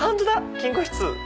「金庫室」。